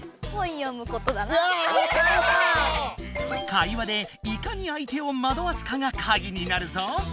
会話でいかに相手をまどわすかがカギになるぞ。